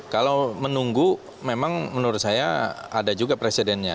kalau menunggu memang menurut saya ada juga presidennya